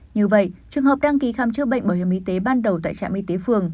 như vậy trường hợp đăng ký khám chữa bệnh bảo hiểm y tế ban đầu tại trạm y tế phường